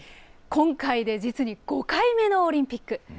今回で実に５回目のオリンピック。